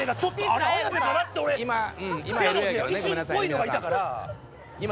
一瞬っぽいのがいたから。